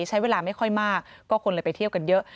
ใช้เวลาไม่ค่อยมากก็คนเลยไปเที่ยวกันเยอะ